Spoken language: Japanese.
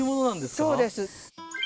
そうです。